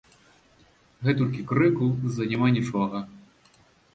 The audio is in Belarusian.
Гэтулькі крыку з-за няма нічога.